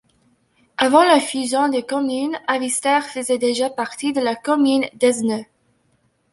Avant la fusion des communes, Avister faisait déjà partie de la commune d'Esneux.